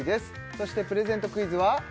そしてプレゼントクイズは？